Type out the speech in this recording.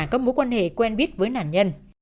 các mối quan hệ quen biết với nạn nhân